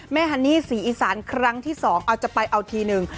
แม่ฮันนี่ศรีอีสานครั้งที่๒จะไปเอาทีนึง